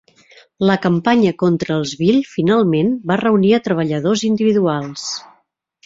La campanya contra els Bill finalment va reunir a treballadors individuals.